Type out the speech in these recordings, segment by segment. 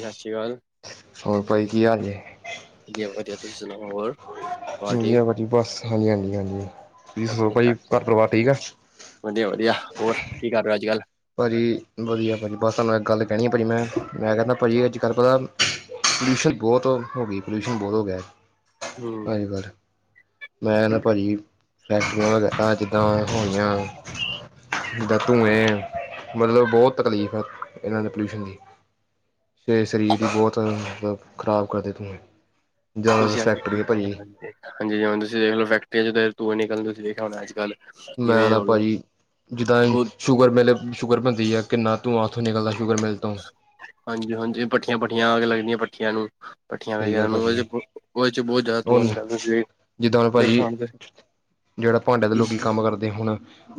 ਸਤਿ ਸ੍ਰੀ ਅਕਾਲ ਹੋਰ ਭਾਈ ਕੀ ਹਾਲ ਜੇ? ਵਧੀਆਜੀ ਵਧੀਆ ਤੁਸੀ ਸੁਣਾਓ ਹੋਰ ਬ ਜੀ ਠੀਕ ਵਧੀਆ ਭਾਜੀ ਬਸ, ਹਾਂਜੀ-ਹਾਂਜੀ-ਹਾਂਜੀ ਤੁਸੀਂ ਸੁਣਾਊ ਜੀ ਬਸ ਭਾਈ ਭਾਜੀ ਘਰ ਪਰਿਵਾਰ ਠੀਕ ਆ? ਹਾਂਜੀ ਵਧੀਆ ਹੋਰ ਕੀ ਕਰ ਰਹੇ ਹੋ ਅੱਜ ਕੱਲ੍ਹ। ਭਾਅਜੀ ਵਧੀਆ ਭਾਅਜੀ ਬਸ ਸਾਨੂੰ ਇੱਕ ਗੱਲ ਕਹਿਣੀ ਆ ਭਾਅ ਜੀ ਮੈਂ ਮੈਂ ਕਹਿੰਦਾ ਭਾਅ ਜੀ ਅੱਜ ਕੱਲ੍ਹ ਤਾ ਪੋਲਿਊਸ਼ਨ ਬਹੁਤ ਹੋ ਗਈ ਪੋਲਿਊਸ਼ਨ ਬਹੁਤ ਹੋ ਗਿਆ ਹਮ ਅਜ-ਕੱਲ੍ਹ। ਮੈਂ ਨਾ ਭਾਜੀ ਫੈਕਟਰੀਆਂ ਵਗੈਰਾ ਜਿੱਦਾਂ ਹੋਈਆਂ ਦ ਤੂੰਏ ਮਤਲਬ ਬਹੁਤ ਤਕਲੀਫ਼ ਹੈ ਇਹਨਾਂ ਨੇ ਪੋਲਿਊਸ਼ਨ ਦੀ। ਸਰੀਰ ਵੀ ਬਹੁਤ ਮਤਲਬ ਖ਼ਰਾਬ ਕਰਦੇ ਤਸੀਂ ਜ਼ਿਆਦਾਤਰ ਤੁਸੀਂ ਅੱਜ ਫੈਕਟਰੀ ਹੈ ਭਾ ਜੀ। ਹਾਂਜੀ ਹਾਂਜੀ ਹੀ ਹੁਣ ਤੁਸੀਂ ਦੇਖ ਲੋ ਫੈਕਟਰੀਆਂ ਚ ਤੇ ਧੁਆਂ ਨਿਕਲਦਾ ਤੁਸੀਂ ਦੇਖਿਆ ਹੋਣਾ ਅੱਜ ਕ੍ਹਲ ਮੈਂ ਤਾਂ ਭਾਜੀ ਜਿੱਦਾਂ ਹੀ ਬਹੁਤ ਸ਼ੂਗਰ ਮਿਲ ਸ਼ੂਗਰ ਬਣਦੀ ਹੈ ਕਿੰਨਾ ਧੂਆਂ ਓਥੋਂ ਨਿਕਲਦਾ ਸ਼ੂਗਰ ਮਿਲ ਤੋਂ ਹਾਂਜੀ-ਹਾਂਜੀ ਭਠੀਆਂ ਭਠੀਆਂ ਅਗੱ ਲੱਗਦੀਆਂ ਭਠੀਆਂ ਨੂੰ। ਭਠੀਆਂ ਸਹੀ ਵਗੈਰਾ ਗੱਲ ਨੂੰਦੇ ਭਾਜੀ ਉਹਦੇ ਚ ਬਹੁਤ ਜ਼ਿਆਦਾ ਧੂੰਆਂ ਹੁਣ ਨਿਕਲਦਾ ਸੀ। ਜਿੱਦਾਂ ਹੁਣ ਦੇਖਿਆ ਭਾਜੀ, ਹੋਣਾ ਜਿਹੜਾ ਭਾਂਡੇ ਦੇ ਤੁਸੀਂ ਲੋਕੀ ਕੰਮ ਕਰਦੇ ਹੁਣ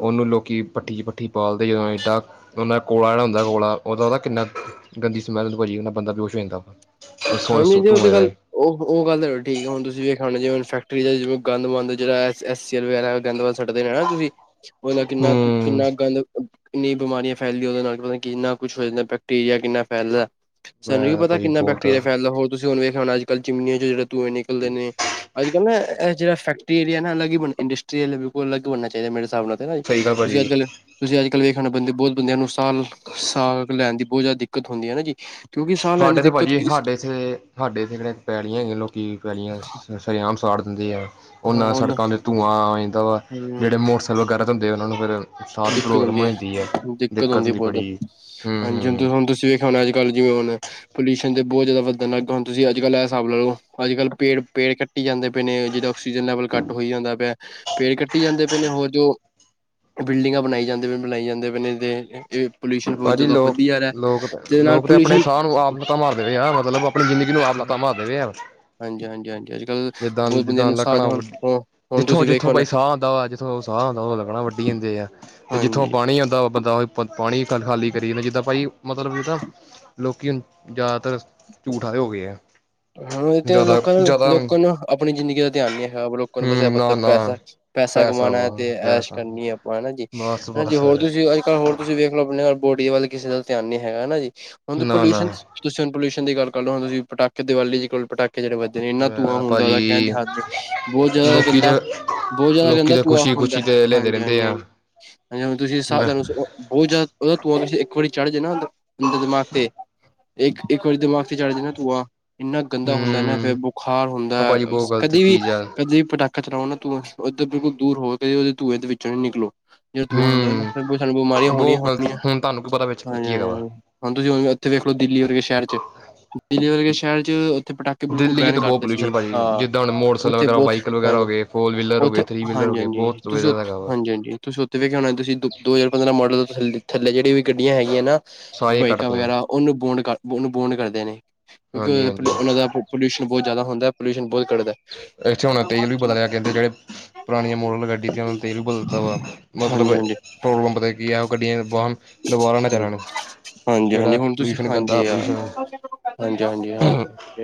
ਔਨੂੰ ਲੋਕੀ ਪੱਠੀ ਚ ਪੱਠੀ ਬਾਲਦੇ ਜਦੋਂ ਐਡਾ ਉਹ ਨਾਲ ਕੋਲਾ ਜਿਹੜਾ ਹੁੰਦਾ ਕੋਲਾ ਉਹਦਾ ਕਿੰਨਾ ਗੰਦੀ ਸਮੈਲ ਹੁੰਦੀ ਬੰਦਾ ਬੇਹੋਸ਼ ਹੋ ਜਾਂਦਾ। ਹੈ ਵਾ ਨੀ ਜੀ ਉੇਹ ਤੇ ਧੂੰਏ ਗੱਲ ਦੇ ਉਹ ਉਹ ਗੱਲ ਠੀਕ ਹੈ ਹੁਣ ਤੁਸੀਂ ਜਿਵੇਂ ਖਉਣਾ ਜਿਵੇ ਫੈਕਟਰੀ ਜਿਵੇਂ ਗਦੰ ਮੰਦ ਜਿਹੜਾ ਐ। ਸਿਵਰੇਜ ਵਗੈਰਾ ਗੰਦ ਮਦੰ ਸੁਟਦੇ ਨੇ ਤੁਸੀਂ ਉਹਦਾ ਹੂੰ ਕਿੰਨਾ ਕਿੰਨਾ ਗੰਦ ਕਿੰਨੀ ਬਿਮਾਰੀਆਂ ਫੈਲਦੀਆਂ ਉਹਦੇ ਨਾਲ ਪਤਾ ਕਿੰਨਾ ਕੁਛ ਹੋ ਜਾਂਦਾ ਬੈਕਟੀਰੀਆ ਕਿੰਨਾ ਫੈਲਦਾ। ਮੈਂ ਸਾਨੂੰ ਕੀ ਕਹਿੰਦਾ ਪਤਾ ਭਾਜੀ ਕਿੰਨਾ ਬੈ ਬਹੁਤ ਦੋ ਹੋਰ ਤੁਸੀਂ ਹੁਣ ਵੇਖਿਆ ਹੋ ਅੱਜ ਕੱਲ ਚਿਮਨੀਆਂਚ ਜਿਹੜੇ ਧੂੰਏ ਨਿਕਲਦੇ ਨੇ ਅੱਜ ਕਲ੍ਹ ਨਾ ਇਹਜਿਹੜਾ ਜਿਹੜਾ ਫੈਕ ਏ ਏਰੀਆ ਨਾ ਅੱਲਗ ਇੰਸਟਰੀਲ ਬਿਲਕੁਲੱ ਅਲਗ ਹੋਣਾ ਚਾਹੀਦਾ ਮੇਰੇ ਹਿਸਾਬ ਨਾਲ ਹੈ ਨਾ ਜ ਸਹੀ ਗੱਲ ਤੁਸੀਂ ਭਾਜੀ ਅੱਜ ਕਲ ਤੁਸੀਂ ਅੱਜ ਕੱਲ੍ਹ ਵੇਖਣਾ ਬੰਦੇ ਬੌਤ ਬੰਦਿਆਂ ਨੂੰ ਸਾਹ, ਸਾਗ ਲੈਣ ਦੀ ਬੌਤ ਜ਼ਿਆਦਾ ਦਿੱਕਤ ਹੁੰਦੀ ਹੈ ਨਾ ਜੀ। ਕਿਉਂਕਿ ਸਾਹ ਲੈਂਦੇ ਸਾਡੇ ਇੱਥੇ ਭਾਜੀ ਹਾਡੇ ਸਿਰੇ ਹਾਡੇ ਸਿਰੇ ਪੈਲੀਆਂ ਹੈਗੀਆਂ ਲੋਕੀ ਪੈਲੀਆਂ, ਸਰੇਆਮ ਸਾੜ ਦਿੰਦੇ ਆ। ਉਹਨਾਂ ਹਾਂ ਸੜਕਾਂ ਤੇ ਧੂੰਆਂ ਆ ਜਾਂਦਾ ਵਾ, ਜਿਹੜੇ ਹੂੰ, ਮੋਟਰਸਾਈਕਲ ਵਗੈਰਾ ਧੁੰਆ ਉਹਨਾਂ ਨੂੰ ਫਿਰ ਸਾਹ ਦੀ ਦਿੱਕਤ ਪ੍ਰੋਬਲਮ ਹੁੰਦੀ ਹੋ ਹੈ, ਜਾਂਦੀ ਦਿੱਕਤ ਹੁੰਦੀ ਹੈ ਬੌਤ ਜਾ, ਬੜੀ ਹੂੰ ਹਾਂਜੀ ਹ ਹੁਣ ਹੂੰ ਤੁਸੀਂ ਹੁਣ ਅੱਜ ਕੱਲ ਜਿਵੇਂ ਹੁਣ, ਪੋਲਊਸ਼ਨ ਦੇ ਬਹੁਤ ਜ਼ਿਆਦਾ ਵੱਧਣ ਲੱ ਹੁਣਜ ਕੱਲ ਇਹ ਹਿਸਾਬ ਲਓ, ਅੱਜ ਕੱਲ ਪੇੜ ਪੇੜ ਕੱਟੀ ਜਾਂਦੇ ਪਏ ਨੇ, ਜਿਦੋਂ ਔਕਸੀਜਨ ਲੈਵਲ ਕਾਟ ਹੋਈ ਜਾਂਦਾ ਪਿਆ, ਪੇੜ ਕੱਟੀ ਜਾਂਦੇ ਪਏ ਨੇ ਹੋਰ ਜੋ ਬਿਲਡਿੰਗਾਂ ਬਣਾਈ ਜਾਂਦੇ ਬੇ, ਬਣਾਈ ਜਾਂਦੇ ਬੇ ਨੇ ਤੇ ਏ ਪੋਲਿਊਸ਼ਨ ਬਹੋਤ ਭਾਜੀ ਜਾਦਾ ਲੋਕ ਵਧੀਆ ਰਿਹਾ, ਜਿਹਦੇ ਨਾਲ ਪੋਲਿਊਸ਼ਨ ਲਤਾਂ ਮਾਰਦੇ ਰਹੇ ਆ, ਮਤਲਬ ਆਪਣੀ ਜ਼ਿੰਦਗੀ ਨੂੰ ਆਪ ਲੱਤਾਂ ਮਾਰਦੇ ਰਹੇ ਆ। ਹਾਂਜੀ-ਹਾਂਜੀ-ਹਾਂਜੀ ਜਿੱਦਾਂ-ਜਿੱਦਾਂ ਲੱਕੜਾ ਵ ਹੁਣ ਜਿੱਥੋਂ ਤੁਸੀਂ ਜਿੱਥੋਂ ਵੇਖਿਆ ਹੋਣਾ ਬਾਈ ਸਾਹ ਆਉੁੰਦਾ ਵਾ, ਜਿੱਥੋਂ ਉਹ ਸਾਹ ਆਉਂਦਾ ਉਹ ਲਗਣਾ ਵੱਢੀ ਜਾਂਦੇ ਆ। ਤੇ ਹਾਂਜੀ ਜਿੱਥੋਂ ਪਾਣੀ ਆਉਂਦਾ ਬੰਦਾ ਪਾਣੀ ਖਾਲੀ ਕਰੀ ਜਾਂਦਾ, ਜਿੱਦਾਂ ਭਾਈ, ਮਤਲਬ ਇਹਦਾ ਲੋਕ ਜ਼ਿਆਦਾਤਰ ਝੂਠ ਆਲੇ ਹੋ ਗਏ ਆ। ਹੁਣ ਇਹ ਤੇ ਜ਼ਿਆਦਾ ਲੋਕਾਂ ਜ਼ਿਆਦਾ ਹਮ ਲੋਕਾਂ ਨੂੰ ਆਪਣੀ ਜ਼ਿੰਦਗੀ ਦਾ ਧਿਆਨ ਨੀ ਹੈਗਾ। ਲੋਕ ਨੂੰ ਬਸੇ ਨਾ ਨਾ ਪੈਸਾ-ਪੈਸਾ ਪੈਸਾ ਵਾ ਕਮਾਉਣਾ ਤੇ ਐਸ਼ ਪੈਸਾ ਕਰਨੀ ਆਪਾਂ ਹਨਾ ਜੀ। ਬਸ ਹਾਂਜੀ, ਬਸ ਹੋਰ ਤੁਸੀਂ ਅੱਜ-ਕੱਲ ਹੋਰ ਤੁਸੀਂ ਵੇਖ। ਆਪਣੇ ਬੋਡੀ ਵੱਲ ਕਿਸੇ ਦਾ ਧਿਆਨ ਨੀ ਹੈਗਾ, ਜੀ ਹੁਣ ਨਾ ਨਾ ਪੋਲਿਊਸ਼ਨ। ਤੁਸੀਂ ਹੁਣ ਪੋਲਿਊਸ਼ਨ ਦੀ ਗੱਲ ਕਰ ਲੳ, ਤੁਸੀ ਪਟਾਕੇ ਦੀਵਾਲੀ ਕੋ ਪਟਾਕੇ ਜਿਹੜੇ। ਇੰਨਾ ਮੈਂ ਧੂੰਆ ਕਹਿੰਦਾ ਹੁੰਦਾ, ਉਹਦਾ ਕਹਿਣ ਦੀ ਭਾਜੀ ਹੱਦ ਨਹੀਂ ਬਹੁਤ ਜ਼ਿਆਦਾ ਲੋਕੀ ਤੇ ਗੰਦਾ। ਬਹੁਤ ਜ਼ਿਆਦਾ ਲੋਕੀ ਗੰਦਾ ਤਾਂ ਧੂੰਆ ਖੁਸ਼ੀ ਹੁੰਦਾ, ਖੁਸ਼ੀ ਤੇ ਲੈਂਦੇ ਰਹਿੰਦੇ ਹਾਂਜੀ-ਹਾਂਜੀ ਹਾਂ ਆ ਹਾਂਜੀ ਹੁਣ ਤੁਸੀਂ ਮੈਂ ਸਾਧਨ। ਬਹੁਤ ਜ਼ਿਆਦਾ ਉਹਦਾ ਧੂਆਂ ਇੱਕ ਵਾਰੀ ਚੜ ਜੇ ਨਾ ਬੰਦੇ ਦਿਮਾਗ ਤੇ। ਇੱਕ-ਇੱਕ ਵਾਰੀ ਦਿਮਾਗ ਤੇ ਚੜ ਜੇ ਨਾ ਧੂਆਂ। ਇੰਨਾ ਗੰਦਾ ਹੁੰਦਾ ਨਾ, ਫਿਰ ਹਮ ਬੁਖਾਰ ਹੁੰਦਾ ਉਹ ਭਾਜੀ ਬਹੁਤ ਗ਼ਲਤ ਕਦੇ ਵੀ ਚੀਜ਼ ਆ ਕਦੇ ਵੀ ਪਟਾਕੇ। ਕਚਰਾ ਉਹਨਾਂ ਧੂੰਆਂ ਉਧਰ ਬਿਲਕੁਲ ਦੂਰ ਹੋ ਕੇ ਉਹਦੇ ਧੂੰਏ ਦੇ ਵਿੱਚੋਂ ਨੀ ਨਿਕਲੋ। ਜਿਹੜਾ ਧੂੰਆਂ ਹੁੰਦਾ ਹਮ ਸਾਨੂੰ ਬਿਮਾਰੀਆਂ ਹੋਣੀਆਂ- ਬਹੁਤ ਗ਼ਲਤ ਹੋਣੀਆਂ, ਹੁਣ ਤੁਹਾਨੂੰ ਕੀ ਪਤਾ ਵਿੱਚ ਕੀ ਕੀ ਹੈਗਾ ਵਾ ਹਾਂਜੀ। ਹੁਣ ਤੁਸੀਂ ਇੱਥੇ ਵੇਖ ਲੋ ਦਿੱਲੀ ਵਰਗੇ ਸ਼ਹਿਰ ਚ, ਦਿੱਲੀ ਵਰਗੇ ਸ਼ਹਿਰ ਚ ਉੱਥੇ ਪਟਾਕੇ। ਬਿਲਕੁਲ ਦਿੱਲੀ 'ਚ ਬੈਨ ਤਾਂ ਬਹੁਤ ਕਰਦੇ ਸੀ, ਪੋਲਿਊਸ਼ਨ ਭਾਜੀ ਹਾਂ ਜਿੱਦਾਂ ਹੁਣ ਮੋਟਰਸਾਈਕਲ ਉੱਥੇ ਵਗੈਰਾ ਬਹੁਤ, ਵਾਹੀਕਲ ਵਗੈਰਾ ਹਾਂਜੀ ਹੋ ਗਏ ਫੋਰ ਵੀਲਰ ਹੋ ਉੱਥੇ ਗਏ ਥ੍ਰਰੀ ਵੀਲਰ ਹੋ ਹਾਂਜੀ- ਗਏ ਹਾਂਜੀ। ਬਹੁਤ ਤੁਸੀਂ ਉਹ ਵਧ ਹੈਗਾ ਵਾ ਹਾਂਜੀ -ਹਾਂਜੀ। ਤੁਸੀਂ ਉੱਥੇ ਵੇਖਿਆ ਹੋਣਾ ਤੁਸੀਂ ਦੋ ਹਜ਼ਾਰ ਪੰਦਰਾਂ ਮੋਡਲ ਥੱਲੇ ਜਿਹੜੀਆਂ ਵੀ ਗੱਡੀਆਂ ਹੈਗੀਆਂ ਨਾ। ਸਾਰੀਆਂ ਬਾਈਕਾਂ, ਕੱਟਤੀਆਂ ਵਗੈਰਾ ਉਹਨੂੰ ਬੋਨ ਕਰ, ਉਹਨੂੰ ਬੋਨ ਕਰਦੇ ਨੇ। ਹਾਂਜੀ ਹਾਂਜੀ ਕਿਉਂਕਿ ਉਹਨਾਂ ਦਾ ਪੋਲਿਊਸ਼ਨ ਬਹੁਤ ਜ਼ਿਆਦਾ ਹੁੰਦਾ, ਪੋਲਿਊਸ਼ਨ ਬਹੁਤ ਕੱਢਦਾ। ਇੱਥੇ ਹੁਣਾ ਤੇਲ ਵੀ ਪਤਾ ਲਹਾ ਕਹਿੰਦੇ ਜਿਹੜੇ। ਪੁਰਾਣੀਆਂ ਮੋਡਲ ਗੱਡੀ ਤੇ ਉਹਨਾਂ ਨੇ ਤੇਲ ਵੀ ਬਦਲਤਾ ਵਾ, ਮਤਲਬ ਹਾਂਜੀ ਹਾਂਜੀ ਪੈਟਰੋਲ ਪੰਪ ਦਾ। ਵੀ ਆ, ਗੱਡੀਆਂ ਬੋਮ ਦੁਬਾਰਾ ਨਾ ਚੱਲਣ। ਹਾਂਜੀ -ਹਾਂਜੀ ਜਿਹੜਾ ਹੁਣ ਤੁਸੀਂ ਪੋਲਿਊਸ਼ਨ ਗੰਦਾ ਹਾਂਜੀ ਯਾਰ ਪੋਲਿਊਸ਼ਨ ਹਾਂਜੀ -ਹਾਂਜੀ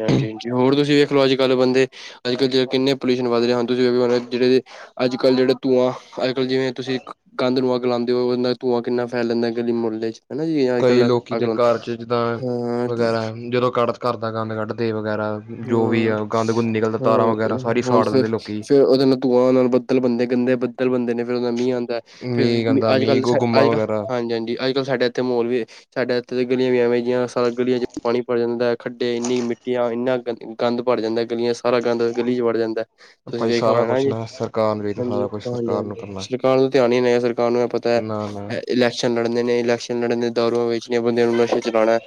ਹਾਂਜੀ ਹ। ਹੋਰ ਤੁਸੀਂ ਵੇਖਲੋ ਅੱਜ ਕੱਲ੍ਹ ਬੰਦੇ। ਅੱਜ ਕੱਲ ਕਿੰਨੇ ਪੋਲਿਊਸ਼ਨ ਵਧ ਰਿਹਾ। ਹੁਣ ਤੁਸੀਂ ਵੇਖਲੋ ਜਿਹੜੇ ਅੱਜ- ਕੱਲ੍ਹ ਜਿਹੜੇ ਧੂੰਆਂ। ਅੱਜ -ਕੱਲ੍ਹ ਜਿਵੇਂ ਤੁਸੀਂ ਗੰਦ ਨੂੰ ਅੱਗ ਲਾਉਂਦੇ ਹੋ ਉਹ ਦਾ ਧੂੰਆਂ ਕਿੰਨਾ ਫੈਲਦਾ ਗਲੀ ਮੁੱਹਲੇ ਚ। ਹਨਾ ਜੀ ਅੱਜ ਕਈ ਕੱਲ ਲੋਕੀ ਅੱਗ ਦੇ ਲਾਉਂਦੇ ਘਰ ਚ, ਜਿੱਦਾਂ ਹਾਂ ਵਗੈਰਾ ਜਦੋਂ ਕ ਘਰ ਦਾ ਗੰਦ ਕੱਢਦੇ ਵਗੈਰਾ। ਜੋ ਵੀ ਹਮ- ਆ ਗੰਦ ਗੁੰਦ ਨਿਕਲਦਾ ਤਾਰਾਂ ਵਗੈਰਾ ਸਾਰੀ ਹਮ ਹੁਣ ਸਾੜ ਫ ਦਿੰਦੇ ਲੋਕੀ ਫਿਰ ਉਹਦੇ ਨਾਲ ਧੂੰਆਂ ਨਾਲ ਬੱਦਲ ਬੰਦੇ ਗੰਦੇ ਬਦ। ਬਦਲ ਬਣਦੇ ਨੇ ਫਿਰ ਉਹਦਾ ਮੀਹ ਆਉਂਦਾ ਫਿਰ ਮੀਂਹ ਗੰਦਾ ਅੱਜ ਮੀਂਹ -ਕੱਲ, ਗੁੰਮਾ ਅੱਜ -ਕੱਲ ਵਗੈਰਾ ਹਾਂਜੀ- ਹਾਂਜੀ। ਸਾਡੇ ਇੱਥੇ ਮੋਰ ਵੀ। ਸਾਡੇ ਇੱਥੇ ਦੇ ਗਲੀਆਂ ਵੀ ਐਵੇਂ ਜੀਆ ਸਾਰੀ ਗਲੀਆਂ ਚ ਪਾਣੀ ਭਰ ਜਾਂਦਾ। ਖੱਡੇ ਇੰਨੀ ਮਿੱਟੀਆਂ ਇੰਨਾ, ਗੰਦ ਭਰ ਜਾਂਦਾ ਗਲੀਆਂ, ਸਾਰਾ ਗੰਦ ਗਲੀ ਚ ਵੜ ਜਾਂਦਾ। ਤੁਸੀਂ ਭਾਈ ਵੇਖਿਆ ਸਾਰਾ ਹੋਣਾ ਨਾ ਕੁਛ ਜੀ, ਸਰਕਾਰ ਨੂੰ ਚਾਹੀਦਾ ਸਾਰਾ ਹਾਂਜੀ- ਕੁਛ ਹਾਂਜੀ ਸਰਕਾਰ ਨੂੰ -ਹਾਂਜੀ ਕਰਨਾ ਸਰਕਾਰ ਨੂੰ ਧਿਆਨ ਹੀ ਸਰ। ਤੁਹਾਨੂੰ ਇਹ ਪਤਾ ਨਾ ਨਾ ਇਲੈਕਸ਼ਨ ਲੜਣੇ ਨੇ ਇਲੈਕਸ਼ਨ ਲੜਨ ਦੇ ਦਾਰੂਆਂ ਵੇਚਣੀਆਂ ਬੰਦੇ ਨੂੰ ਨਸ਼ੇ। ਲਾਉਣਾ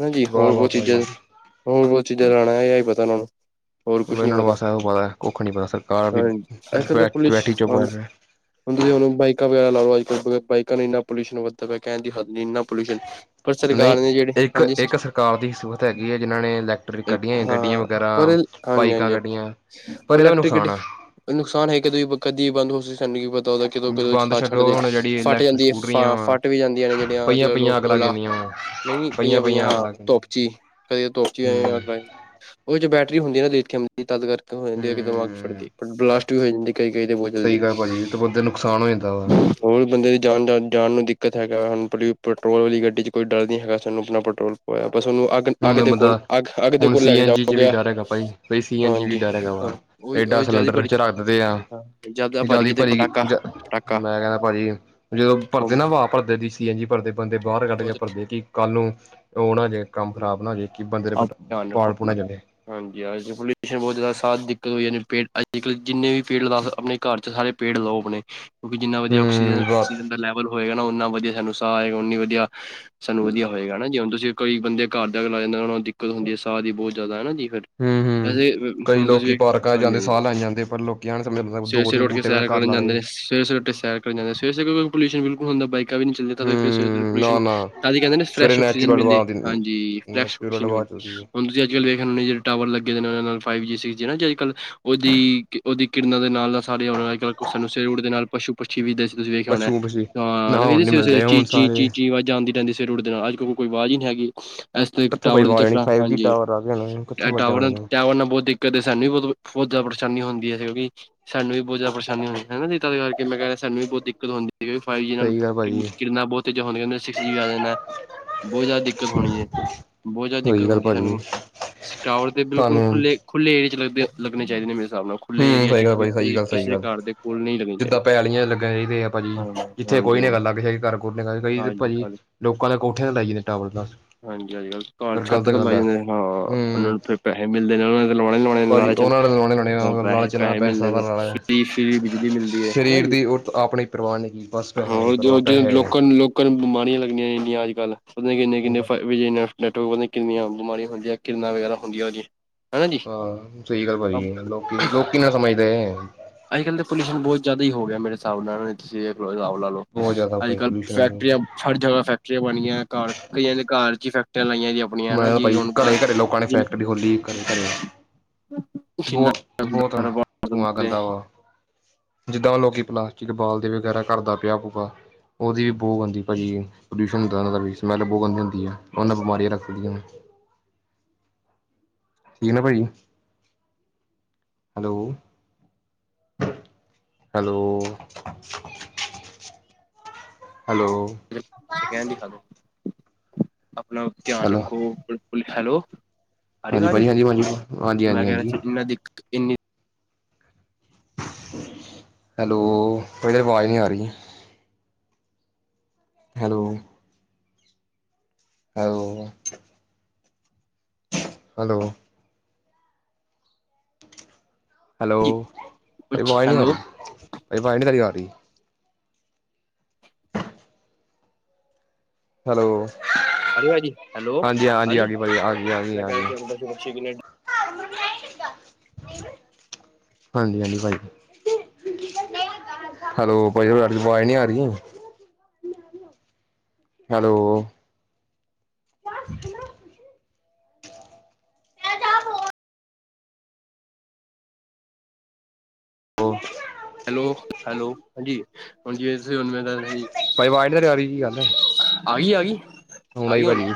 ਹਨਾ ਜੀ ਵਾਹ ਹੋਰ ਵਾਹ ਬਹੁਤ ਭਾਈ ਚੀਜ਼ਾਂ ਹੋਰ ਬਹੁਤ ਚੀਜ਼ਾਂ ਲਾਉਣਾ, ਇਹ ਹੀ ਪਤਾ ਉਹਨਾਂ ਨੂੰ। ਹੋਰ ਕੁਛ ਨੀ ਇਹਨਾਂ ਨੂੰ ਪਤਾ, ਬਸ ਇਹੋ ਕੁੱਖ ਨੀ ਪਤਾ ਸਰਕਾਰ ਵੀ ਹਾਂ ਅੱਜ-ਕੱਲ ਤਾਂ ਬੈ ਪੁਲਿਸ ਬੈਠੀ ਚੁੱਪ ਆ। ਕਰਕੇ ਹੁਣ ਬਾਈਕਾਂ ਵਗੈਰਾ ਲਓ ਅੱਜ ਬਾਈਕਾਂ ਨਾਲ ਇੰਨਾ ਪੋਲਿਊਸ਼ਨ ਵੱਧ ਪਿਆ, ਕਹਿਣ ਦੀ ਹਦ ਨਹੀ ਪੋਲਿਊਸ਼ਨ ਪਰ ਸਰਕਾਰ ਨੇ ਜਿਹੜੇ ਹਾਂਜੀ, ਕਾਰ ਦੀ ਸਹੂਰਤ ਹੈਗੀ ਏ ਜਿਨ੍ਹਾਂ ਨੇ ਲੈਕ। ਕੱਢੀਆਂ ਗੱਡੀਆਂ ਹਾਂ ਵਗੈਰਾ, ਪਰ ਹਾਂਜੀ ਬਾਈਕਾਂ ਹਾਂਜੀ ਕੱਢੀਆਂ ਪਰ ਉਹ ਇਹਦਾ ਵੀ ਇਲੈਕਟ੍ਰਿਕ ਨੁਕਸਾਨ ਗੱਡੀ ਆ। ਨੁਕਸਾਨ ਹੈ ਕਿਂ ਕਦੀ ਬੰਦ ਹੋ ਸੀ ਸਾਨੂੰ ਕੀ ਪਤਾ ਉਹਦਾ। ਕਿਦੋਂ ਕਦੋਂ ਬੰਦ ਥ ਛੱਡੋ ਛੱਡਦੇ ਹੁਣ ਜਿਹੜੀ ਫੱਟ ਇਲੈਕਟ੍ਰਿਕ ਜਾਂਦੀ ਹੈ ਸਕੂਟਰੀਆਂ ਫ ਵਾ ਫੱਟ ਵੀ ਜਾਂਦੀਆਂ ਨੇ ਜਿਹੜੀਆਂ ਅੱਜ ਪਈਆਂ ਕੱਲ ਪਈਆਂ ਅੱਗ ਲੱਗ ਓਲਾ। ਜਾਂਦੀਆਂ ਵਾ ਨਹੀਂ ਪਈਆਂ -ਪਈਆਂ ਅੱਗ ਹਾਂ ਲੱਗ ਜਾਂਦੀਆਂ ਧੁੱਪ ਚ, ਕਦੇ ਧੁੱਪ। ਹੂੰ ਅਗਲਾ, ਉਹਦੇ ਚ ਬੈਟਰੀ ਹੁੰਦੀ ਆ ਨਾ ਦੇਖ ਦੀ ਤਦ ਕਰ। ਹੋ ਜਾਂਦੀ ਹੈ ਦਿਮਾਗ ਫੜਦੀ, ਹੂੰ ਬਲਾਸਟ ਵੀ ਹੋ ਜਾਂਦੀ ਕਦੀ ਕਈ ਤਾਂ ਬਹੁਤ ਜਲਦੀ। ਸਹੀ ਗੱਲ ਤੇ ਬੰਦੇ ਨੂੰ ਨੁਕਸਾਨ ਹੋ ਜਾਂਦਾ ਵਾ। ਹੋਰ ਬੰਦੇ ਦੀ ਜਾਨ ਜਾ ਜਾਨ ਨੂੰ ਦਿੱਕਤ ਹੈਗਾ ਹਨ ਪ ਪੈਟਰੋਲ ਵਾਲੀ ਗੱਡੀ 'ਚ ਕੋਈ ਡਰ ਨਹੀਂ ਹੈਗਾ ਸਾਨੂੰ ਆਪਣਾ ਪੈਟਰੋਲ। ਹੋਇਆ, ਬਸ ਉਹਨੂੰ ਅੱਗ, ਅੱਗ ਹੁਣ ਦੇ ਕੋਲ, ਬੰਦਾ ਅੱਗ ਅੱਗ ਦੇ ਹੁਣ ਕੋਲ ਲੈ ਸੀ ਕੇ ਐਨ ਜੀ ਚ ਵੀ ਜਾਓਗੇ ਡਰ ਹੈਗਾ ਭਾਈ ਬਾਈ ਸੀ ਐਨ ਜੀ ਵੀ ਹਾਂਜੀ ਡਰ ਹੈਗਾ ਵਾ ਹਾਂ ਉਹੀ ਏਡਾ ਉਹੀ ਜ਼ਿਆਦਾ ਸਿਲੰਡਰ ਭਰੀ ਚ ਰੱਖ ਦਦੇ ਆ ਹਾਂ ਜ਼ਿਆਦਾ ਭਰ ਜ਼ਿਆਦੀ ਤੇ ਭਰੀ ਗਈ ਪਟਾਕਾ ਪਟਾਕਾ ਮੈਂ ਕਹਿੰਦਾ ਭਾਜੀ ਜਦੋਂ ਭਰਦੇ ਨਾ ਵਾਹ ਭਰਦੇ ਦੀ ਜੀ ਭਰਦੇ ਬਦੇ ਬਾਹਰ ਕੱਢਕੇ ਬਹੁਤ ਭਰਦੇ ਆਪ ਧਿਆਨ ਰੱਖੋ [unintelligible] ਹਾਂਜੀ ਅੱਜ ਪੋਲਿਊਸ਼ਨ ਬਹੁਤ ਜ਼ਿਆਦਾ ਸ ਦਿੱਕਤ ਹੋ ਜਾਂਦੀ ਪੇ ਅੱਜ ਕੱਲ ਜਿੰਨੇ ਵੀ ਪੇੜ ਲਦਾ ਆਪਣੇ ਘਰ ਚ ਸਾਰੇ ਪੇੜ ਲਓ ਆਪਣੇ ਕਿਉਂਕਿ ਜਿੰਨਾ ਵਧੀਆ ਆਕਸੀਜਨ ਹੂੰ ਬਸ ਆਕਸੀਜਨ ਦਾ ਲੈਵਲ ਹੋਏਗਾ ਨਾ ਉਨਾ ਵਧੀਆ ਸਾਨੂੰ ਸਾਹ ਆਏਗਾ ਉਨੀ ਵਧੀਆ ਸਾਨੂੰ ਵਧੀਆ ਹੋਏਗਾਾ ਜੇ ਹੁਣ ਤੁਸੀਂ ਕੋਈ ਬੰਦੇ ਘਰ ਦਾ ਲਾ ਜਾਂਦੇ ਦਿੱਕਤ ਹੁੰਦੀ ਹੈ ਸਾਹ ਦੀ ਬਹੁਤ ਜ਼ਿਆਦਾ ਹੈ ਜੀ ਫਿਰ ਹੂੰ ਹੂੰ ਵਸੇ ਕਈ ਹੁਣ ਲੋਕੀ ਤੁਸੀਂ ਪਾਰਕਾਂ ਹਾਂਜੀ ਜਾਂਦੇ ਹਾਂਜੀ ਸਾਹ ਲੈਣ ਜਾਂਦੇ ਪਰ ਲੋਕੀ ਐਨ ਸਮਝ ਸਵੇਰੇ ਦੋ ਤਿੰਨ ਸਵੇਰੇ ਉੱਠ ਕੇ ਬੂਟੇ ਆਪਣਾ ਸੈਰ ਘਰ ਕਰਨ ਲਾ ਜਾਂਦੇ ਲਏ ਨੇ ਸਵੇਰੇ ਸਵੇਰੇ ਉੱਠ ਕੇ ਸੈਰ ਕਰਨ ਜਾਂਦੇ ਸਵੇਰ ਸਵੇਰੇ ਪ੍ਰਦੂਸ਼ਨ ਬਿਲਕੁਲ ਹੁੰਦਾ ਹੂੰ ਨਾ ਨਾ ਤਾਂ ਕਹਿੰਦੇ ਸਵੇਰੇ ਫਰੈਸ਼ ਆਕਸੀਜਨ ਨੈਚੁਰਲ ਮਿਲੇ ਹਵਾ ਹਾਂਜੀ ਨੈਚੁਰਲ ਫਰੈਸ਼ਕਸੀਜਨ ਹਵਾ ਮਿਲ ਚੱਲਦੀ ਹੈ ਹੁਣ ਸੀਜ ਕੱਲ ਵੇਖਦੇ ਜਿਹੜੇ ਟਾਵਰ ਲੱਗੇ ਨੇ ਉਹ ਨਾਲ ਫਾਈਵ ਜੀ ਸਿਕਸ ਜੀ ਨਾ ਜ ਅੱਜ ਕੱਲ ਉਹਦੀ ਉਹਦੀ ਕਿਰਨਾਂ ਦੇ ਨਾਲ ਸਾਰੇ ਅੱ ਕ ਸਾਨੂੰ ਸੂਟ ਦੇ ਨਾਲ ਪਸ਼ੂ ਪੱਛੀ ਵੀਦੇ ਸੀ ਤੁਸੀਂ ਵੇਖਿਆ ਹੋਣਾ ਪਸ਼ੂ ਪਸ਼ੀ ਨਾ ਹਾਂ ਹੁਣ ਵੀਖ ਨੀ ਸ ਸਵੇ ਮਿਲਦੇ ਚੀ ਹੁਣ ਚੀ ਸਾਰੇ ਚੀਚੀ ਅਵਾਜਾ ਆਦੀ ਰਹਿਦੀ ਸੀ ਸਵੇਰੇ ਉੱਠਦੇ ਨਾਲ ਉਹ ਕੋਈ ਆਵਾਜ਼ ਨਹੀਂ ਹੈਗੀ ਇਸ ਤਰ੍ਹਾਂ ਕਿੱਥੋਂ ਭਾਈ ਟਾਵਰ ਦੇ ਆਵਾਜ਼ ਚੱਕ ਆਣੀ ਫਾਈਵ ਜੀ ਹਾਂਜੀ ਟਾਵਰ ਆ ਗਏ ਕਿੱਥੋਂ ਆਵਾਜ਼ਾਂ ਟਾਵਰ ਆਣੀਆਂ ਟਾਵਰ ਨਾਲ ਬਹੁਤ ਕਦੇ ਸਾਨੂੰ ਵੀ ਬ ਬਹੁਤ ਜ਼ਿਆਦਾ ਪਰੇਸ਼ਾਨੀ ਹੁੰਦੀਆ ਸੀਕਿ ਸਾਨੂੰ ਵੀ ਬਹੁਤ ਜ਼ਿਆ ਪਰੇਸ਼ਾਨੀ ਉਹਦੀ ਹਨਾ ਦੀਤਾ ਦੇ ਕਰਕੇ ਮੈਂ ਕਹਿੰਦਾ ਸੂੰ ਵੀ ਬਹੁਤ ਦਿੱਕਤ ਹੁੰਦੀ੍ ਠੀਕ ਵੀ ਫਾਈਵ ਜੀ ਨਾਲ ਸਹੀ ਗੱਲ ਭਾਜੀ ਕਿੰਨਾ ਬਹੁਤ ਤੀਜ਼ਾਂ ਹੋਣੀਆਂ ਉਹਦੇ ਨਾਲ ਸਿਕਸ ਜੀ ਆ ਜਾਂਣਾ ਬਹੁਤ ਜ਼ਿਆਦਾ ਦਿੱਕਤ ਹੋਣੀ ਹੈ ਬਹੁਤ ਜ਼ਿਆਦਾ ਦਿੱਕਤ ਸਹੀ ਗੱਲ ਹੁੰਦੀ ਹੈ ਭਾਜੀ ਸਾਨੂੰ ਸ ਟਾਵਰ ਤੇ ਬਿਲਕੁਲ ਸਾਨੂੰ ਖੁੱਲ੍ਹੇ ਖੁਲ੍ਹ ਏ ' ਏਰੀਏ ਲਗਣੇ ਚਾਹੀਦੇ ਨੇੇ ਮੇਰੇ ਹਿਸਾਬ ਨਾਲ ਖੁੱਲੇ ਹਮ ਏਰੀਆ ਸਹੀ ਚ ਗੱਲ ਕੋਈ ਭਾਜੀ ਸਹੀ ਗੱਲ ਸਹੀ ਕਿਸੇ ਦੇ ਗੱਲ ਘਰ ਦੇ ਕੋਲ ਨਹੀਂ ਲੱਗਣੀ ਚਾਹੀਦੀ ਜਿੱਦਾਂ ਪੈਲੀਆਂ ਲੱਗਣੇ ਚਾਹੀਦੇ ਆ ਭਾਜੀ ਹਾਂ ਜਿਥੇ ਹਾਂਜੀ ਕੋਈ ਨੀ ਹਾਂਜੀ ਹੈਗਾ ਲਾਗੇ ਸਾ। ਘਰ ਕ ਹਾਂਜੀ ਭਾਜੀ ਕੱਲ ਲੋਕਾਂ ਦੇ ਕੋਠੇ ਲਾਈ ਜਾਂਏਦੇ ਟਾਵਰ ਦੱਸ ਹਾਂਜੀ ਅੱਜ ਕੱਲ ਕਾਲ ਛੱਤ ਤੋਂ ਲਾ ਜਾਂਦੇ ਨੇ ਹਾਂ ਉਹਨਾਂ ਹੂੰ ਨੂੰ ਫੇਰ ਪੈਸੇ ਮਿਲਦੇ ਨੇ ਉਹ ਲਾਉਣੇ ਲਾਉਣੇ ਭਾਜੀ ਉਹਨਾਂ ਨੇ ਰੋਨ ਬਣਿਆ ਲਾਲਚ ਨਾਲ ਪੈਸਾ ਦਾ ਨੇ ਲਾ ਫਰੀ ਫਰੀ ਬਿਜਲੀ ਮਿਲਦੀ ਹੈ ਹਨਾ ਸਰੀਰ ਜੀ ਦੀ ਰਤ ਆਪਣੇ ਪਰਵਾਨ ਨੇ ਕੀ ਬਸ ਪੈ ਹਾ ਦੀ ਹੋਰ ਪਰਵਾ ਜੋ ਪੈ ਜੋ ਹੇ ਲੋਕਾਂ ਨੂੰ ਲੋਕਾਂ ਨੂੰ ਬਿਮਾਰੀਆਂ ਲੱਗੀਆਂ ਰਨੀਆਂ ਅੱਜ ਕੱਲ ਉਹਦੇ ਕਿਨੇ ਕਿਨੇ ਫਾਇਦੇ ਜਹੇ ਨੇ ਡੈਟ ਕਿੰਨੀਆਂ ਬਿਮਾਰੀਆਂ ਹੁੰਦੀਆਂ ਕਿਰਨਾਂ ਵਗੈਰਾ ਹੁੰਦੀਆਂ ਉਹਦੀਆਂ ਹਨਾ ਜੀ ਹਾਂ ਸਹੀ ਗੱਲ ਭਾਈ ਲੋਕੀ ਲੋਕੀ ਨਹੀ ਸਮਝਦੇ ਅੱਜ ਕੱਲ੍ਹ ਤਾਂ ਪੋਲਿਊਸ਼ਨ ਬਹੁਤ ਜ਼ਿਆਦਾ ਹੀ ਹੋ ਗਿਆ ਮੇਰੇ ਹਿਸਾਬ ਨਾਲ ਤੁਸੀ ਦੇਖ ਲ ਰਿਸਾਬ ਲਾ ਲੋ ਬਹੁਤ ਜ਼ਿਆਦਾ ਅੱਜ ਭਾਈ ਕੱਲ ਪੋਲਿਊਸ਼ਨ ਫੈਕਟਰੀਆਂ ਬਹੁਤ ਹਰ ਜਗ੍ਹਾ ਫੈਕਟਰੀਆਂ ਬਣਈਆਂ ਘਰ ਕਈਆਂ ਘਰ ਚ ਫੈਕਟਰੀਆਂ ਲਾਈਆਂ ਆਪਣੀਆਂ ਮੈਂ ਹਨਾ ਕਿਹਾ ਜੀ ਭਾਈ ਹੁਣ ਘਰੇ ਘਰੇ ਲੋਕਾਂ ਨੇ ਫੈਕਟਰੀ ਖੋਲੀ ਘਰੇ ਘਰੇ ਹਮ ਬਹੁਤ ਬਹੁਤ ਧੂੰਆਂ ਗੰਦਾ ਵਾ ਜਿੱਦਾਂ ਲੋਕ ਪਲਾਸਟਿਕ ਬਾਲਦੇ ਵਗੈਰਾ ਘਰਦਾ ਪਿਆ ਪਊਗਾ ਉਹਦੀ ਵੀ ਬੋ ਆਉਂਦੀ ਪਈ ਏ ਪੋਲਿਊਸ਼ਨ ਹੁੰਦਾ ਉਹਨਾਂ ਦਾ ਵੀ ਸਮੈਲ ਬਹੁਤ ਗੁੰਦੀ ਹੁੰਦੀ ਉਹਨਾਂ ਬਿਮਾਰੀਆਂ ਲਗਦੀਆਂ ਨੇ [unintelligible] ਹਲੋ ਹੈਲੋ ਹੈਲੋ [unintelligible] ਆਪਣਾ ਧਿਆਨ ਹੈਲੋ ਰੱਖੋ ਬਿਲਕੁਲ ਹੈਲੋ ਆ ਰਹੀ ਹਾਂਜੀ ਵਾਜ ਭਾਜੀ ਹਾਂਜੀ ਹਾਂਜੀ ਹਾਂਜੀ ਮੈਂ ਹਾਂਜੀ ਕਹਿਨਾ ਹਾਂਜੀ ਸੀ ਮੈਂ ਕਿੰਨੀ ਹੈਲੋ ਪਹਿਲੇ ਆਵਾਜ਼ ਨਹੀਂ ਆ ਰਹੀ ਹੈਲੋ ਹੈਲੋ ਹੈਲੋ ਹੈਲੋ ਜੀ ਭਾਜੀ ਕੁਛ ਆਵਾਜ਼ ਨਹੀਂ ਆ ਹੈਲੋ ਰਹੀ ਭਾਈ ਵਾਈ ਨਹੀਂ ਤਾਰੀ ਆ ਰਹੀ [inaudible] ਹੈਲੋ ਹੈਲੋ ਭਾਜੀ, ਹੈਲੋ ਹਾਂਜੀ ਹਾਂਜੀ ਆ ਆਰੀ ਗਈ ਭਾਜੀ ਆ ਗਈ ਆ ਗਈ ਮੈਂ ਆ ਗਈ ਹਾਂਜੀ ਹਾਂਜੀ ਕਹਿਆ [inaudible] ਹਾਂਜੀ -ਹਾਂਜੀ ਭਾਈ ਹੈਲੋ, ਭਾਈ ਆਵਾਜ਼ ਨਹੀਂ ਆ ਰਹੀ ਹੈਲੋ ਵਾਹਿਗੁਰੂ ਹੈਲੋ- ਹੈਲੋ ਹਾਂਜੀ ਹੁਣ ਜਿਵੇ ਤੁਸੀਂ ਹੁਣ ਮੇਰੇ ਨਾਲ ਭਾਈ ਆਵਾਜ ਨੀ ਆ ਰਹੀ ਕੀ ਗੱਲ ਹੈ ਆ ਗਈ -ਆ ਗਈ ਆ ਆਈ ਗਈ ਹੁਣ, ਭਾਜੀ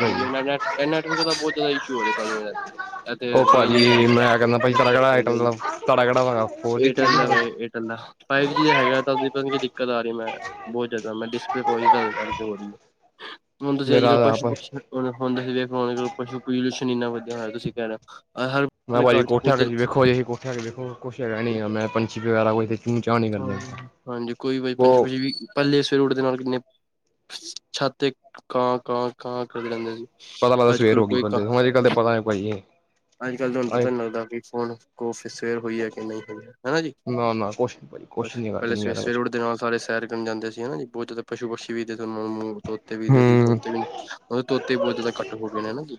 ਭਾਜੀ ਨੈਟਵਰਕ ਦਾ ਬਹੁਤ ਜ਼ਿਆਦਾ ਇਸ਼ੂ ਹੋ ਰਿਹਾ ਉਹ ਰੇਂਜ ਨੀ ਭਾਜੀ ਆਉਂਦੀ, ਮੈਂ ਕਹਿੰਦਾ ਭਾਜੀ ਤੁਹਾਡਾ ਕਿਹੜਾ ਏਅਰਟੈਲ ਦਾ ਤੁਹਾਡਾ ਕਿਹੜਾ ਹੈਗਾ ਫੋਰ ਜੀ ਥ੍ਰੀ ਏਅਰਟੈਲ ਜੀ ਦਾ ਹੈਗਾ ਫਾਈਵ ਜੀ ਦਾ ਹੈਗਾ ਪਤਾ ਦਿੱਕਤ ਆ ਰਹੀ ਮੈਂ ਬਹੁਤ ਜਿਆਦਾ ਮੈਂ ਡਿਸਪਲੇ ਰੋਜ ਤਾਂ ਕਰਕੇ ਹੋ ਰਹੀ ਹੈ ਹੁਣ ਤੁਸੀਂ ਅੱਜ ਮੇਰਾ ਕੱਲ੍ਹ ਪਸ਼ੂ ਆਪ ਪੁਸ਼ੁ ਹੁਣ ਹੁਣ ਤੁਸੀਂ ਵੇਖ ਲੋ, ਪਲਊਸ਼ਨ ਇਨਾ ਵਧੀਆ ਤੁਸੀਂ ਕਹਿੰਨਾ ਹਰ ਮੈਂ ਭਾਈ ਕੋਠਿਆ ਵਿਚ ਵੇਖੋ ਏਹੀ ਜੀ ਕੋਠੀਆ ਵਿਚ ਵੇਖੋ ਕੁੱਛ ਹੈਗਾ ਨਹੀਂ ਹੈ ਨਹੀ ਪੰਛੀ ਵਗੈਰਾ ਕੋਈ ਚੂੰ ਚਾਂ ਨਹੀਂ ਹਾਂ ਕਰਦੇ ਹਾਂਜੀ, ਕੋਈ ਪੰਛੀ ਉਹ ਪੂੰਛੀ ਵੀ ਪਹਿਲੇ ਸਵੇਰੇ ਉਠਦੇ ਨਾਲ ਕਿੰਨੇ ਛਤ ਤੇ ਕਾਂ -ਕਾਂ ਕਾਂ ਕਰਦੇ ਰਹਿੰਦੇ ਸੀ ਪਤਾ ਲੱਗਦਾ ਸਵੇਰ ਅੱਜਕਲ ਹੋ ਗਈ ਕੋਈ ਕਾਂ ਬੰਦੇ ਨੂੰ ਅੱਜ ਕੱਲ ਤਾਂ ਪਤਾ ਨਹੀਂ ਅੱਜ ਕੱਲ੍ਹ ਤੁਹਾਨੂੰ ਭਾਜੀ ਪਤਾ ਨੀ ਲੱਗਦਾ ਵੀ ਫੋਨ ਕੋ ਸਵੇਰ ਹੋਈ ਹੈ ਕਿ ਨਹੀਂ ਹੋਈ ਹੈ ਹੈਨਾ ਜੀ ਨਾ ਨਾ ਕੁਛ ਨੀ ਭਾਜੀ ਕੁਛ ਬਸ, ਨੀ ਹੈਗਾ ਪਹਿਲੇ ਦੁਨੀਆਂ ਸਵੇਰੇ- ਦੇ ਸਵੇਰੇ ਵਿੱਚ ਉੱਠਦੇ ਨਾਲ ਸਾਰੇ ਸੈਰ ਜਾਂਦੇ ਸੀ ਹੈਨਾ ਜੀ ਬਹੁਤ ਜ਼ਿਆਦਾ ਪਸ਼ੂ ਪਕਸ਼ੀ ਵੀ ਤੁਹਾਨੂੰ ਮੋ ਮੋ ਤੋਤੇ ਵਿਖਦੇ ਸੀ ਤੋਤੇ ਹੂੰ ਵੀ ਤੋਤੇ ਬਹੁਤ ਜ਼ਿਆਦਾ ਘੱਟ ਹੋ ਗਏ ਨੇ ਹੈਨਾ ਜੀ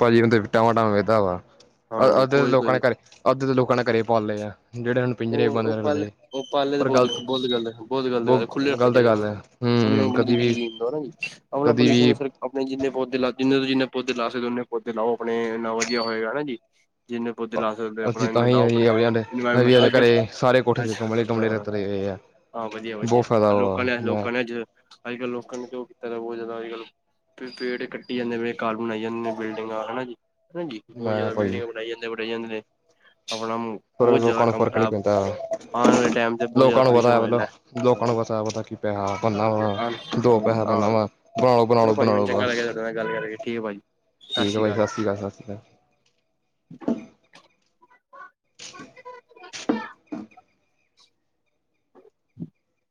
ਭਾਜੀ ਕਦੇ ਟਾਵਾਂ ਟਾਂਵਾ ਵੇਹਦਾ ਵਾਹ ਹਾਂਜੀ ਅੱਧੇ ਕੋਈ ਲੋਕਾਂ ਕੋਈ ਨੇ ਘਰੇ ਅੱਧੇ ਦੇ ਲੋਕਾਂ ਨੇ ਘਰੇ ਪਾਲ ਲਏ ਆ ਜਿਹੜੇ ਹੁਣ ਪਿੰਜਰੇ ਬੰਦ ਉਹ ਪਾਲੇ ਰੱਖਦੇ ਉਹ ਪਾਲੇ ਤੇ ਪਰ ਬਹੁਤ ਗ਼ਲਤ ਬਹੁਤ ਗਲਤ ਬਹੁਤ ਗਲਤ ਗੱਲ ਖੁੱਲੇ ਬਹੁ ਰੱਖਣੇ ਗ਼ਲਤ ਚਾਹੀਦੇ ਗੱਲ ਹੈ ਉਹਨਾਂ ਨੂੰ ਵੀ ਹੂੰ ਆਪਣੀ ਕਦੀ ਜ਼ਿੰਦਗੀ ਜੀਣ ਦਿਓ ਜੀ, ਆਪਨਾ ਕਦੀ ਪੋਲਿਊਸ਼ਨ ਵੀ ਆਪਣੇ ਜਿੰਨੇ ਪੌਦੇ ਲਾ ਜਿੰਨੇ ਜਿੰਨੇ ਪੌਦੇ ਲਾ ਸਕਦੇ ਓਨੇ ਪੌਦੇ ਲਾਓ ਆਪਣੇ ਇੰਨਾ ਵਧੀਆ ਹੋਏਗਾ ਹੈਨਾ ਜੀ ਜਿੰਨੇ ਪੌਦੇ ਲਾ ਸਕਦੇ ਹੋ ਆਪਣਾ ਅਸੀਂ ਤਾਂ ਇਨੇ ਹੀ ਲਾਓ ਆਪਣੇ ਅਸੀਂ ਕੱਲ੍ਹ ਘਰੇ ਸਾਰੇ ਕੋਠੇ ਤੇ ਅੱਛਾ ਗਮਲੇ ਤੋੜਨ ਤੇ ਹਾਂ ਤੁਰੇ ਹੋਏ ਆ। ਹਾਂ, ਵਧੀਆ-ਵਧੀਆ ਬਹੁਤ ਫਾਇਦਾ ਵਾ ਲੋਕਾਂ ਨੇ ਮੈਂ ਲੋਕਾਂ ਨੇ ਅੱਜ ਅੱਜ ਕੱਲ੍ਹ ਲੋਕਾਂ ਨੇ ਕਿ ਉਹ ਕੀਤਾ ਬਹੁਤ ਜ਼ਿਆਦਾ ਅੱਜ ਕਲ ਪੇੜ ਕੱਟੀ ਜਾਂਦੇ ਵੇ ਘਰ ਬਣਾਈ ਜਾਂਦੇ ਨੇ ਬਿਲਡਿੰਗਾਂ ਹੈਨਾ ਜੀ ਹਾਂਜੀ ਬਹੁਤ ਮੈਂ ਜ਼ਿਆਦਾ ਭਾਜੀ ਬਿਲਡਿੰਗਾਂ ਬਣਾਈ ਜਾਂਦੀਆਂ ਬਣਾਈ ਜਾਂਦੇ ਨੇ ਆਪਣਾ ਮੂੰਹ ਪਰ ਲੋਕਾਂ ਨੂੰ ਫਰਕ ਨਹੀਂ ਪੈਂਦਾ ਵਾਲੇ ਟਾਈਮ ਤੇ ਬਹੁਤ ਜ਼ਿਆਦਾ ਲੋਕਾਂ ਨੂੰ ਪੋਲਿਊਸ਼ਨ ਪਤਾ ਹੈ ਹੋ ਜਾਣਾ। ਮਤਲਬ ਲੋਕਾਂ ਨੂੰ ਹਾਂਜੀ ਪਤਾ ਹੈ ਪਤਾ ਕੀ ਪੈਸਾ ਬੰਨਨਾ ਹਾਂਜੀ ਵਾ ਹਾਂਜੀ ਦੋ ਪੈਸਾ ਬੰਨਾ ਹਾਂ ਵਾ ਬਣਾਲੋ ਚਲੋ -ਬਣਾਲੋ ਭਾਜੀ ਮੈਨੂੰ -ਬਣਾਲੋ ਚੰਗਾ ਬਸ ਲੱਗਿਆ ਤੁਹਾਡੇ ਗੱਲ ਕਰਕੇ ਠੀਕ ਆ ਭਾਜੀ ਠੀਕ ਹੈ ਭਾਈ ਸਤਿ ਸ੍ਰੀ ਅਕਾਲ ਸਤਿ ਸ਼੍ਰੀ ਅਕਾਲ [inaudible]